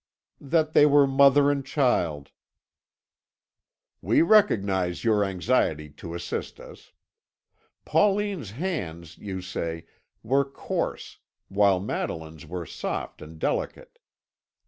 "That they were mother and child." "We recognise your anxiety to assist us. Pauline's hands, you say, were coarse, while Madeline's were soft and delicate.